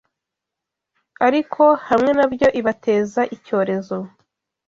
ariko hamwe na byo ibateza icyorezo”